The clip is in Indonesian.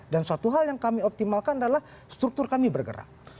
suatu hal yang kami optimalkan adalah struktur kami bergerak